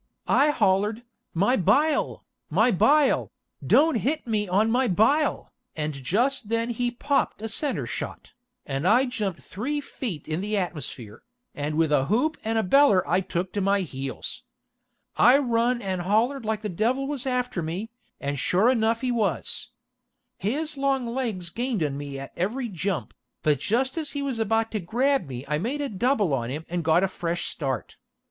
I hollered, "My bile, my bile, don't hit me on my bile," and just then he popped a center shot, and I jumped three feet in the atmosphere, and with a hoop and a beller I took to my heels. I run and hollered like the devil was after me, and shore enuf he was. His long legs gained on me at every jump, but just as he was about to grab me I made a double on him, and got a fresh start.